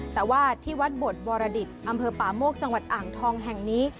แต่ว่าที่วัดบทบรดิษฐ์อำเภอป่าโมกจังหวัดอ่างทองแห่งนี้